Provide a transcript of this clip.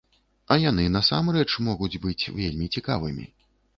А яны насамрэч могуць быць вельмі цікавымі.